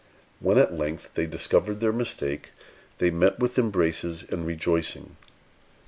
When at length they discovered their mistake, they met with embraces and rejoicing.